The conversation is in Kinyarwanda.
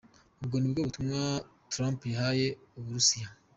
Ubu nibwo butumwa Trump yahaye Uburusiya.